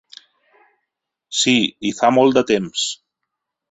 Sí, i fa molt de temps.